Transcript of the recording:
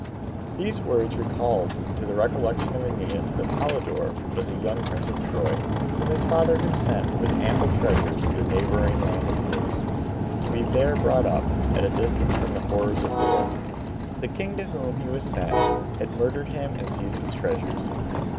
These words recalled to the recollection of Aeneas that Polydore was a young prince of Troy, whom his father had sent with ample treasures to the neighboring land of Thrace, to be there brought up, at a distance from the horrors of war. The king to whom he was sent had murdered him and seized his treasures.